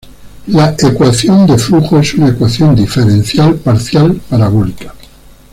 La ecuación de flujo es una ecuación diferencial parcial parabólica.